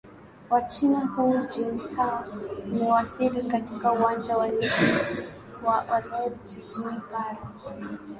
wa china hu jintao amewasili katika uwanja wa ndege wa orel jijini pari